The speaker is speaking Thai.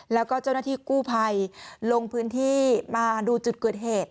แล้วก็เจ้าหน้าที่กู้ภัยลงพื้นที่มาดูจุดเกิดเหตุ